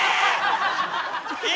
え！